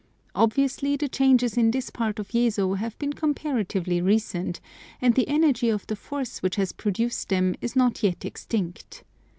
Obviously the changes in this part of Yezo have been comparatively recent, and the energy of the force which has produced them is not yet extinct.